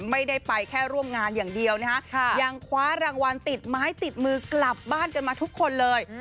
ไม่ได้ไปแค่ร่วมงานอย่างเดียวนะฮะยังคว้ารางวัลติดไม้ติดมือกลับบ้านกันมาทุกคนเลย